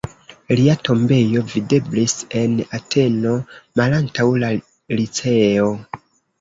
Lia tombejo videblis en Ateno, malantaŭ la Liceo.